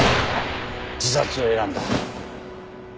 自殺を選んだ。